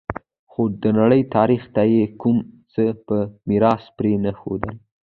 خو د نړۍ تاریخ ته یې کوم څه په میراث پرې نه ښودل